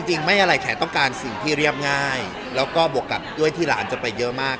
ไม่อะไรแขกต้องการสิ่งที่เรียบง่ายแล้วก็บวกกับด้วยที่หลานจะไปเยอะมาก